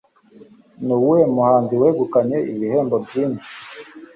Nuwuhe muhanzi wegukanye ibihembo byinshi